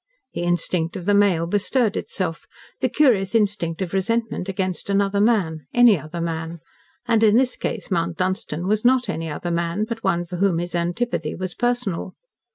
The instinct of the male bestirred itself the curious instinct of resentment against another man any other man. And, in this case, Mount Dunstan was not any other man, but one for whom his antipathy was personal.